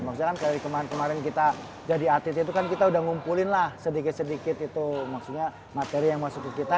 maksudnya kan dari kemarin kemarin kita jadi atlet itu kan kita udah ngumpulin lah sedikit sedikit itu maksudnya materi yang masuk ke kita